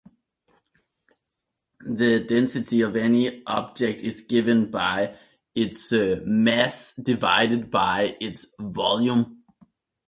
The density of any object is given by its mass divided by its volume.